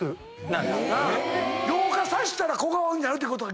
老化させたら小顔になるということ？